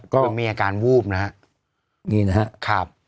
ก็มีอาการวูพนะครับ